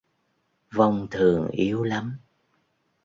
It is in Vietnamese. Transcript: vong thường yếu lắm